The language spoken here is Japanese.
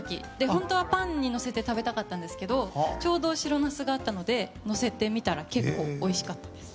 本当はパンにのせて食べたかったんですけどちょうど白ナスがあったのでのせてみたら結構、おいしかったです。